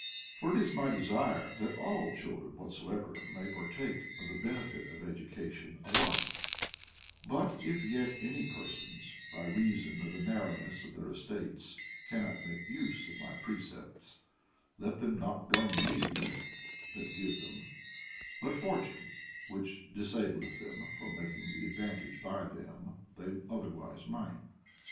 For it is my desire that all children Avhatsoever may partake of the benefit of education alike ; but if yet any persons, by reason of the narrowness of their estates, cau * Plato, Repub. Λ^Ι. p. 537, B. 20 OF THE TRAINING OF CHILDREN. not make use of my precepts, let them not blame me that give them, but Fortune, which disableth them from makin;^ the advantage by them they otherwise might.